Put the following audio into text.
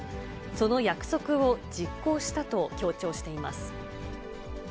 その約束を実行したと強調しています。